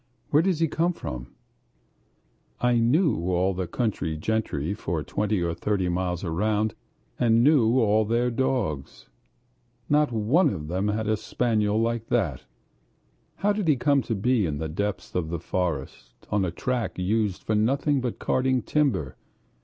"Where does he come from?" I knew all the country gentry for twenty or thirty miles round, and knew all their dogs. Not one of them had a spaniel like that. How did he come to be in the depths of the forest, on a track used for nothing but carting timber?